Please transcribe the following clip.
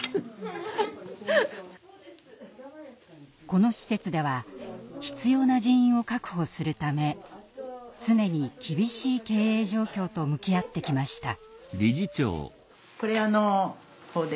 この施設では必要な人員を確保するため常に厳しい経営状況と向き合ってきました。